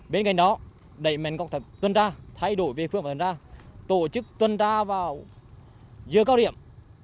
bên cạnh đó đẩy mình có thể tuần tra thay đổi về phương pháp tuần tra tổ chức tuần tra vào giữa cao điểm